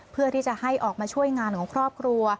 เพื่อที่จะให้ออกมาช่วยงานของครอบครัว